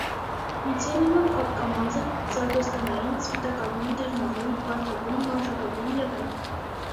Միցելիումը փափկամազ է, սարդոստայնային, սպիտակավուն, դեղնավուն, վարդագույն, մանուշակագույն և այլն։